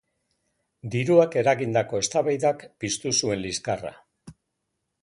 Diruak eragindako eztabaidak piztu zuen liskarra.